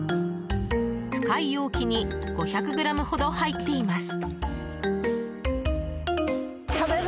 深い容器に５００ｇほど入っています。